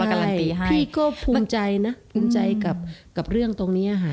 ใช่พี่ก็ภูมิใจน่ะภูมิใจกับกับเรื่องตรงเนี้ยฮะ